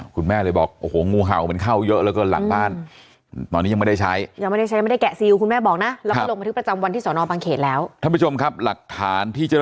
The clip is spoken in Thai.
คุณแม่เลยบอกโอ้โหงูเห่ามันเข้าเยอะเหลือเกินหลังบ้าน